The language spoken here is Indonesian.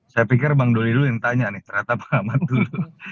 saya pikir bang doli dulu yang tanya nih ternyata pengamat dulu